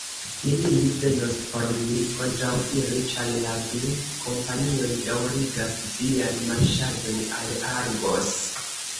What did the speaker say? Neniu venos por min kontraŭdiri, ĉar la du kompanioj daŭrigas sian marŝadon al Argos.